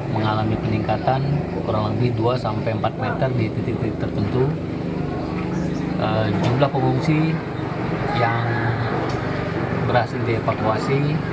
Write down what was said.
salah satu warga di kecamatan